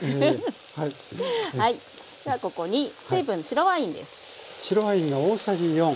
じゃここに水分白ワインです。